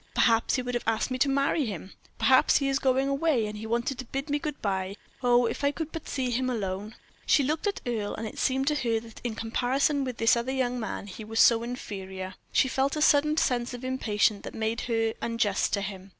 Perhaps he would have asked me to marry him perhaps he is going away, and he wanted to bid me good bye. Oh, if I could but see him alone!" She looked again at Earle, and it seemed to her that in comparison with this other young man he was so inferior, she felt a sudden sense of impatience that made her unjust to him.